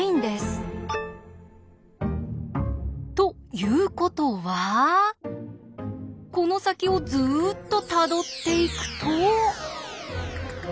ということはこの先をずっとたどっていくと。